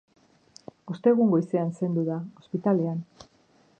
Ostegun goizaldean zendu da, ospitalean.